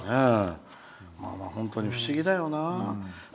本当に不思議だよな。